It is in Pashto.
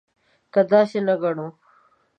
که داسې نه ګڼو.